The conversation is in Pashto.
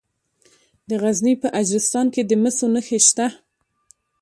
د غزني په اجرستان کې د مسو نښې شته.